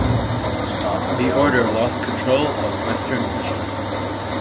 The Order lost control of western Prussia.